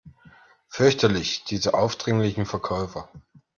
Fürchterlich, diese aufdringlichen Verkäufer!